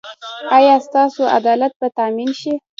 ایا ستاسو عدالت به تامین شي؟